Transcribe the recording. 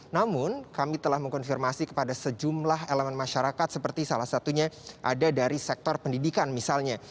namun kami telah mengkonfirmasi kepada sejumlah elemen masyarakat seperti salah satunya ada dari sektor pendidikan misalnya